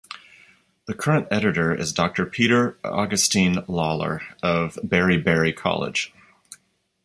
The current editor is Doctor Peter Augustine Lawler of Berry Berry College.